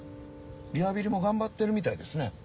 リハビリも頑張ってるみたいですね。